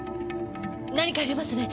何かありますね。